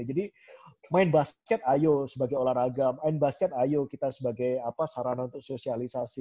jadi main basket ayo sebagai olahraga main basket ayo kita sebagai sarana untuk sosialisasi